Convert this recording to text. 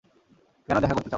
কেন দেখা করতে চাও?